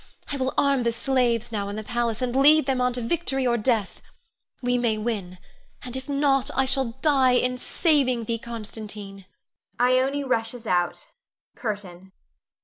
I will arm the slaves now in the palace, and lead them on to victory or death. We may win and if not, I shall die in saving thee, Constantine! [Ione rushes out. CURTAIN.